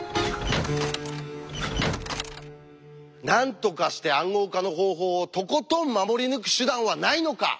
なんとかして暗号化の方法をとことん守り抜く手段はないのか！